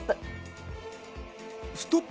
ストップ。